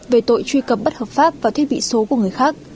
về tội truy cập bất hợp pháp vào thiết bị số của người khác